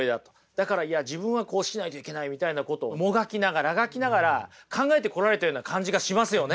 だからいや自分はこうしないといけないみたいなことをもがきながらあがきながら考えてこられたような感じがしますよね。